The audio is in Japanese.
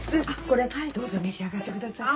これどうぞ召し上がってください。